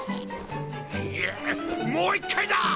ぬうもう一回だ！